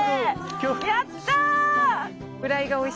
やった！